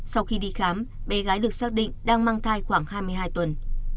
sau khi đi khám bé gái được xác định đang mang thai khoảng hai mươi hai tuần